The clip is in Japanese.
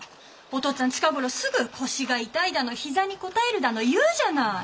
お父っつぁん近頃すぐ腰が痛いだの膝にこたえるだの言うじゃない。